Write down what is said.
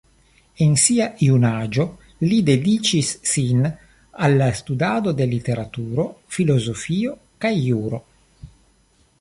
En sia junaĝo li dediĉis sin al la studado de literaturo, filozofio kaj juro.